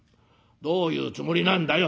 どういうつもりなんだよ」。